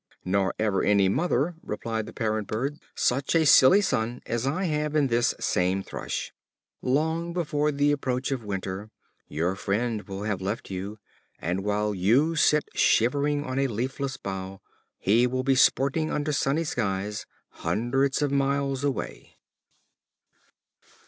"Nor ever any mother," replied the parent bird, "such a silly son as I have in this same Thrush. Long before the approach of winter, your friend will have left you; and while you sit shivering on a leafless bough he will be sporting under sunny skies hundreds of miles away."